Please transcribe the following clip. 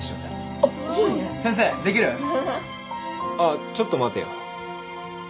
あっちょっと待てよ。